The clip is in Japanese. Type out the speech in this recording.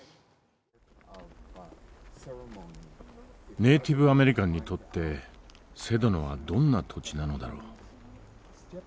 ネイティブ・アメリカンにとってセドナはどんな土地なのだろう？